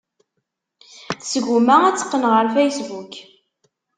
Tesguma ad teqqen ɣer Facebook.